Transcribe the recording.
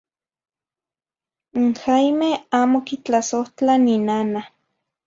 In Jaime amo quitlasohtla ninana.